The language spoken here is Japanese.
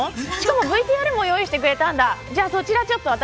ＶＴＲも用意してくれたんだ。